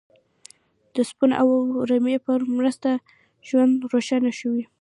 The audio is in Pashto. د شپون او رمې په مرسته ژوند روښانه شوی.